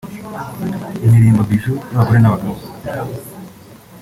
imirimbo (Bijoux) y’abagore n’abagabo